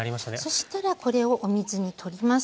そしたらこれをお水に取ります。